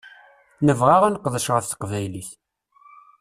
Nebɣa ad neqdec ɣef teqbaylit.